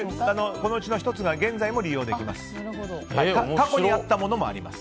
このうちの１つが現在も利用できます。